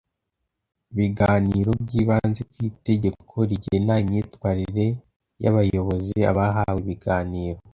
biganiro byibanze ku itegeko rigena imyitwarire y’ abayobozi. abahawe ibiganiro